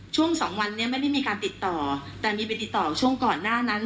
ช่วงสองวันนี้ไม่ได้มีการติดต่อแต่มีไปติดต่อช่วงก่อนหน้านั้น